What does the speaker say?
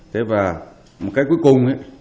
thế và một cái cuối cùng